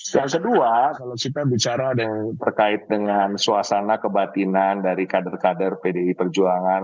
yang kedua kalau kita bicara terkait dengan suasana kebatinan dari kader kader pdi perjuangan